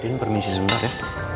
din permisi sebentar ya